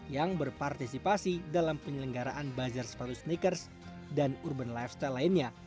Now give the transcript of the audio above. yang berpartisipasi dalam penyelenggaraan bazar sepatu sneakers dan urban lifestyle lainnya